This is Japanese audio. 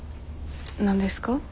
何ですか？